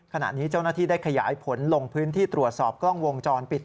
ขณะนี้เจ้าหน้าที่ได้ขยายผลลงพื้นที่ตรวจสอบกล้องวงจรปิด